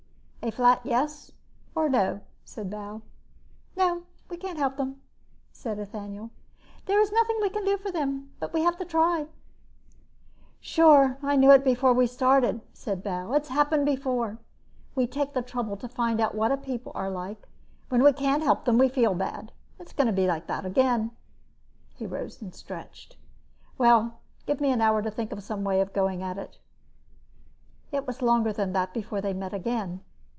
"A flat yes or no," said Bal. "No. We can't help them," said Ethaniel. "There is nothing we can do for them but we have to try." "Sure, I knew it before we started," said Bal. "It's happened before. We take the trouble to find out what a people are like and when we can't help them we feel bad. It's going to be that way again." He rose and stretched. "Well, give me an hour to think of some way of going at it." It was longer than that before they met again.